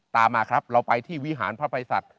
ตามมาครับเราไปที่วิหารพระบริษัท